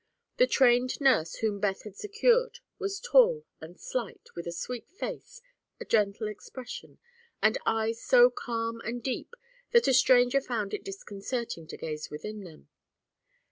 The trained nurse whom Beth had secured was tall and slight, with a sweet face, a gentle expression and eyes so calm and deep that a stranger found it disconcerting to gaze within them.